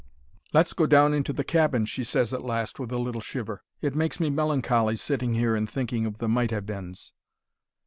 "'Let's go down into the cabin,' she ses, at last, with a little shiver; 'it makes me melancholy sitting here and thinking of the "might have beens."'